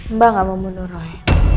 mbak gak mau bunuh roy